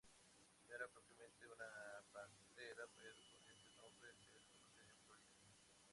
No era propiamente una pantera pero con este nombre se la conoce en Florida.